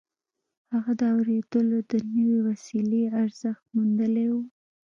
هغه د اورېدلو د نوې وسيلې ارزښت موندلی و.